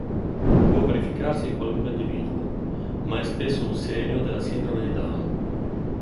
Può verificarsi in qualunque individuo, ma è spesso un segno della sindrome di Down.